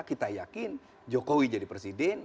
kita yakin jokowi jadi presiden